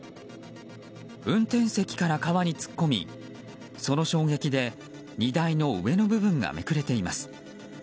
運転席から川に突っ込みその衝撃で荷台の上の部分がめくれています。